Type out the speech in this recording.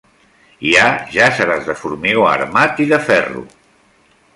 Hi ha jàsseres de formigó armat i de ferro.